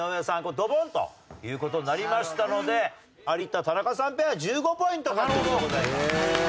ドボンという事になりましたので有田田中さんペア１５ポイント獲得でございます。